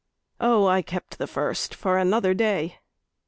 Oh, I kept the first for another day!